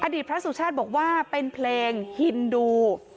พระสุชาติบอกว่าเป็นเพลงฮินดู